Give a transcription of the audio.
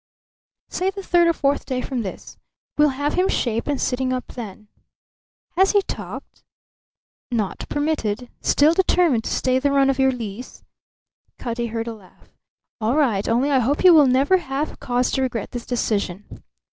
"Say the third or fourth day from this. We'll have him shaved and sitting up then." "Has he talked?" "Not permitted. Still determined to stay the run of your lease?" Cutty heard a laugh. "All right. Only I hope you will never have cause to regret this decision."